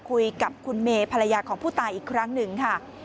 คุยกับคุณเมย์ภรรยาของผู้ตายอีกครั้งหนึ่งค่ะ